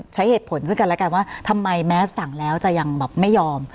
ใช้เหตุผลซึ่งกันแล้วกันว่าทำไมแม้สั่งแล้วจะยังแบบไม่ยอม